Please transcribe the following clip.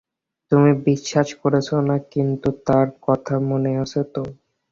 তুমি বিশ্বাস করছ না, কিন্তু মার কথা মনে আছে তো?